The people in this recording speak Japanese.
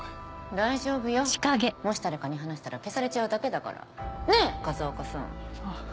大丈夫よもし誰かに話したら消されちゃうだけだからねぇ風岡さん。